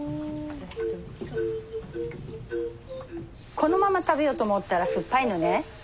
このまま食べようと思ったら酸っぱいのね。